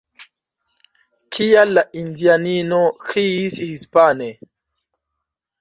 Kial la indianino kriis hispane?